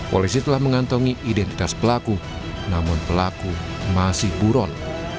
polisi telah mengantongi identitas pelaku namun pelaku masih buron